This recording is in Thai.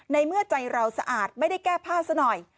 ในเมื่อใจเราสะอาดไม่ได้แก้ผ้าซะหน่อย